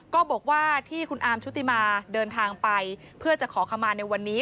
ก็บอกว่าที่คุณอาร์มชุติมาเดินทางไปเพื่อจะขอขมาในวันนี้